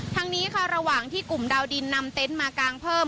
ทั้งนี้ค่ะระหว่างที่กลุ่มดาวดินนำเต็นต์มากางเพิ่ม